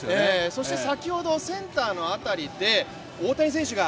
そして先ほどセンターの辺りで大谷選手が。